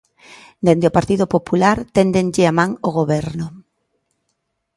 Dende o Partido Popular téndenlle a man ao Goberno.